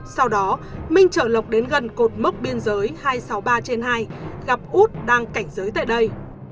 sau đó minh chở lộc đến gần cột mốc biên giới hai trăm sáu mươi ba trên hai gặp út đang cảnh giới tại đây